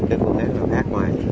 cái cục này nó khác ngoài